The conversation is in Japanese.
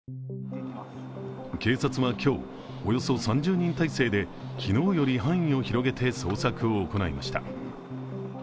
警察は今日、およそ３０人態勢で昨日より範囲を広げて捜索を行いました。